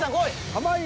濱家。